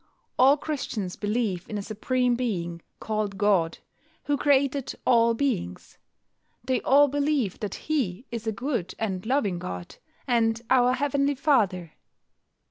All Christians believe in a Supreme Being, called God, who created all beings. They all believe that He is a good and loving God, and our Heavenly Father.